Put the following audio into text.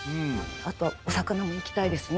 あとお魚もいきたいですね。